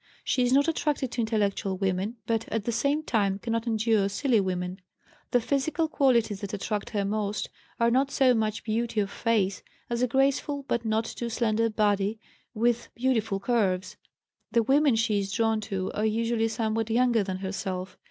She is not attracted to intellectual women, but at the same time cannot endure silly women. The physical qualities that attract her most are not so much beauty of face as a graceful, but not too slender, body with beautiful curves. The women she is drawn to are usually somewhat younger than herself.